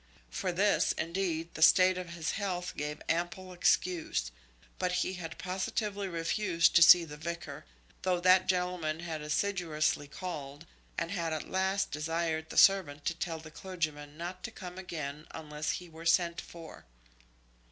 For this, indeed, the state of his health gave ample excuse; but he had positively refused to see the vicar, though that gentleman had assiduously called, and had at last desired the servant to tell the clergyman not to come again unless he were sent for.